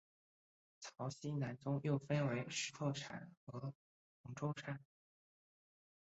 曹溪南宗又分为石头禅和洪州禅。